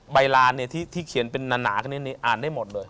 ใบร้านที่เขียนเป็นหนาอ่านได้หมดเลย